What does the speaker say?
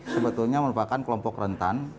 sebetulnya merupakan kelompok rentan